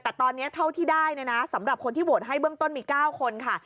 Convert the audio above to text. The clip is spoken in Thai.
แต่ตอนนี้เท่าที่ได้เนี่ยนะสำหรับคนที่โหวตให้เบื้องต้นมี๙คนค่ะ